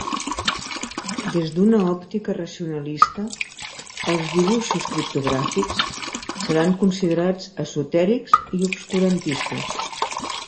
Des d'una òptica racionalista els dibuixos criptogràfics seran considerats esotèrics i obscurantistes.